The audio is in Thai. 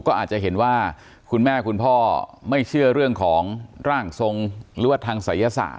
ก็อาจจะเห็นว่าคุณแม่คุณพ่อไม่เชื่อเรื่องของร่างทรงหรือว่าทางศัยศาส